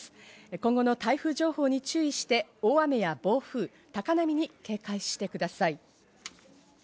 今後の台風情報に注意して、大雨や暴風、高波に警戒してください。